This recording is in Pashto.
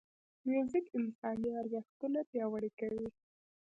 موزیک انساني ارزښتونه پیاوړي کوي.